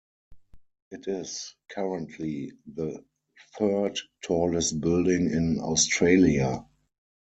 It is currently the third tallest building in Australia.